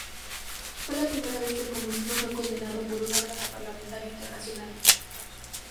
Fue la primera vez que el comunismo fue condenado por un órgano parlamentario internacional.